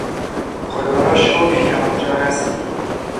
خدا را شکر که آنجا هستی!